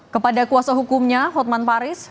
kepada kuasa hukumnya hotman paris